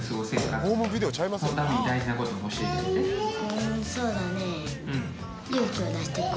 うんそうだねぇ。